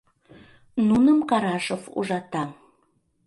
Нуным Карашов ужата.